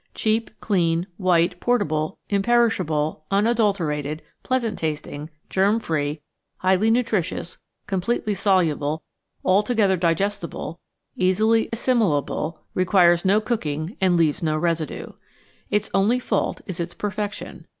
Cheap, clean, white, portable, imperishable, unadulterated, pleasant tasting, germ free, highly nutritious, completely soluble, altogether digestible, easily assimilable, requires no cooking and leaves no residue. Its only fault is its perfection.